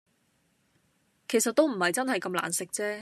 其實都唔係真係咁難食啫